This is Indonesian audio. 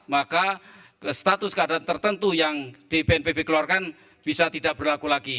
maka status keadaan tertentu yang di bnpb keluarkan bisa tidak berlaku lagi